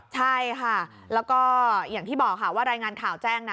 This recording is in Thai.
ใช่ค่ะแล้วก็อย่างที่บอกค่ะว่ารายงานข่าวแจ้งนะ